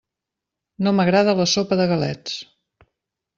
No m'agrada la sopa de galets.